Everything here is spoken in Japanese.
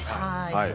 はい。